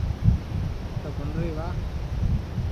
تا ڪنريٚ وهآن۔